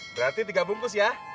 berarti tiga bungkus ya